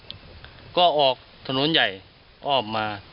บ๊วยบ๊วยก็ออกถนนใหญ่ออกมา